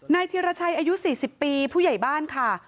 นายเทียรชัยอายุ๔๐ปีผู้ใหญ่บ้านค่ะ